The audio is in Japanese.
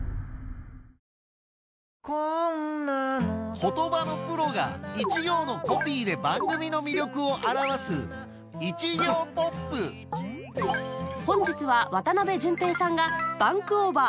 言葉のプロが一行のコピーで番組の魅力を表す本日は渡辺潤平さんが『バンクオーバー！